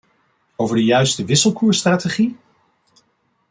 Over de juiste wisselkoersstrategie?